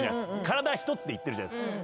体一つでいってるじゃないですか。